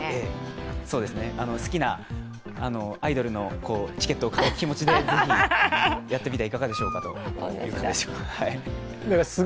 好きなアイドルのチケットを買う気持ちでぜひやってみてはいかがでしょうかという感じです。